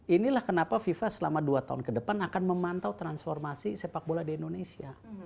inilah kenapa fifa selama dua tahun ke depan akan memantau transformasi sepak bola di indonesia